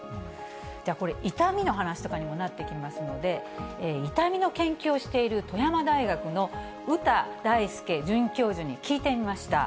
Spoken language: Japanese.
じゃあこれ、痛みの話とかにもなってきますので、痛みの研究をしている、富山大学の歌大介准教授に聞いてみました。